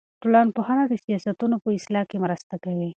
ټولنپوهنه د سیاستونو په اصلاح کې مرسته کوي.